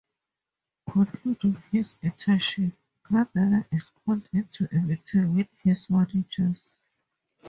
Concluding his internship, Gardner is called into a meeting with his managers.